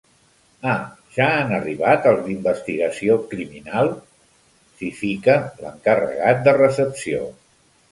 Ah, ja han arribat els d'Investigació Criminal? —s'hi fica l'encarregat de recepció.